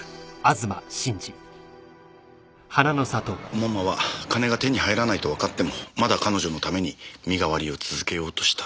門馬は金が手に入らないとわかってもまだ彼女のために身代わりを続けようとした。